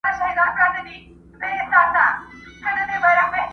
هره څپه یې ورانوي د بګړۍ ولونه؛؛!